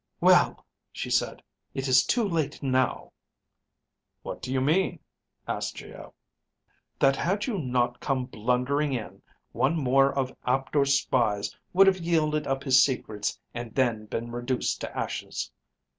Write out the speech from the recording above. "Well," she said. "It is too late now." "What do you mean?" asked Geo. "That had you not come blundering in, one more of Aptor's spies would have yielded up his secrets and then been reduced to ashes."